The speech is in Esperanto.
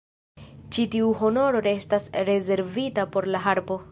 Ĉi tiu honoro restas rezervita por la harpo.